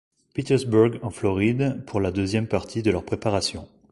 Petersburg en Floride pour la deuxième partie de leur préparation.